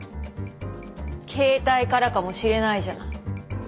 携帯からかもしれないじゃない。